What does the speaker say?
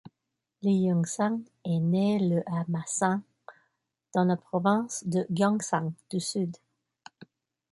Lee Eun-sang est né le à Masan dans la province de Gyeongsang du Sud.